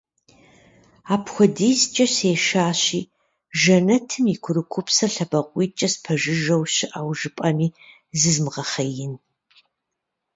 Апхуэдизкӏэ сешащи Жэнэтым и курыкупсэр лъэбакъуиткӏэ спэжыжэу щыӏэу жыпӏэми зызмыгъэхъеин.